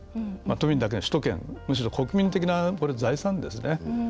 都民だけでなく首都圏、むしろ国民的なこれ財産ですね。